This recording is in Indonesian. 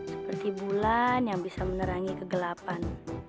seperti bulan yang bisa menerangi kegelapan